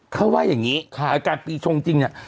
เขาว่าอย่างนี้อาการปีชงจริงเนี่ย